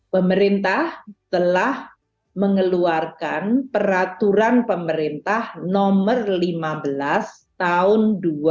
pemerintah telah mengeluarkan peraturan pemerintah nomor lima belas tahun dua ribu dua puluh